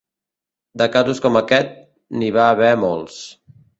De casos com aquest, n'hi va haver molts.